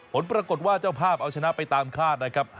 ผลปรากฏว่าเจ้าภาพเอาชนะไปตามคาดนะครับ